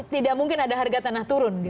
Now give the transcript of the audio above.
tidak mungkin ada harga tanah turun